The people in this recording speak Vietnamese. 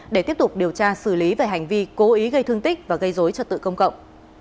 để tiếp tục điều tra xử lý về hành vi cố ý gây thương tích và gây dối trật tự công cộng